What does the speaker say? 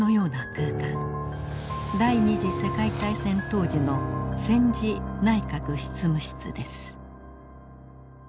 第２次世界大戦当時の戦時内閣執務室です。